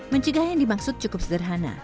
mencegah yang dimaksud cukup sederhana